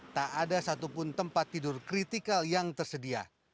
tak ada satupun tempat tidur kritikal yang tersedia